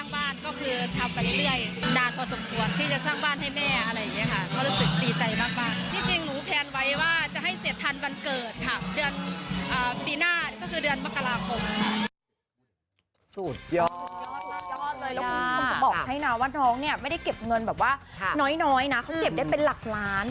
บอกให้น้องว่าน้องเนี่ยไม่ได้เก็บเงินน้อยนะเขาเก็บได้เป็นหลักล้าน